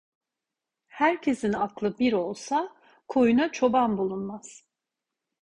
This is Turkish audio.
Herkesin aklı bir olsa koyuna çoban bulunmaz.